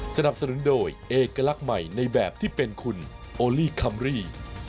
สนับสนุนโดยเอกลักษณ์ใหม่ในแบบที่เป็นคุณโอลี่คัมรี่